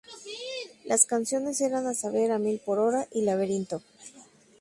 Las canciones eran a saber: A Mil Por Hora y Laberinto.